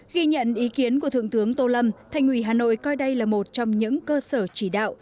ghi nhận ý kiến của thượng tướng tô lâm thành ủy hà nội coi đây là một trong những cơ sở chỉ đạo